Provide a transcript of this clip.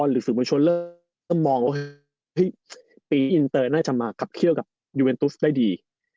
ถ้าพี่ปีอินเตอร์จะมาขับเคี้ยวกับยูเวนตุสได้ดี